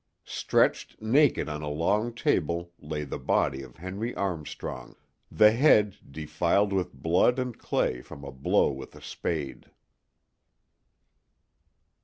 Stretched naked on a long table lay the body of Henry Armstrong, the head defiled with blood and clay from a blow with a spade.